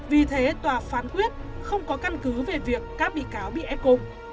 vì thế tòa phán quyết không có căn cứ về việc các bị cáo bị ép cùng